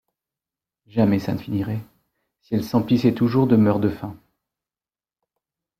Jamais ça ne finirait, si elles s’emplissaient toujours de meurt-de-faim.